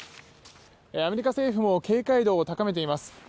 アメリカ政府も警戒度を高めています。